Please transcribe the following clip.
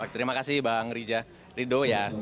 terima kasih bang rido ya